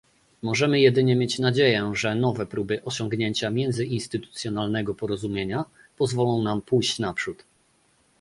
Możemy jedynie mieć nadzieję, że nowe próby osiągnięcia międzyinstytucjonalnego porozumienia pozwolą nam pójść naprzód